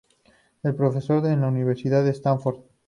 Es profesor en la Universidad de Stanford.